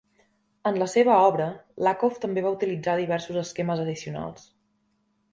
En la seva obra, Lakoff també va utilitzar diversos esquemes addicionals.